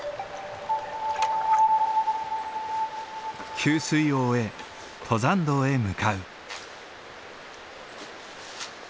給水を終え登山道へ向かう。